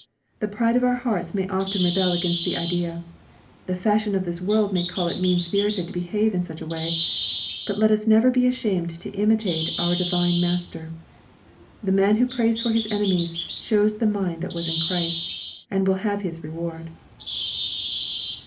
The pride of our hearts may often rebel against the idea. The fashion of this world may call it mean spirited to behave in such a way. But let us never be ashamed to imitate our divine Master. The man who prays for his enemies shows the mind that was in Christ, and will have his reward.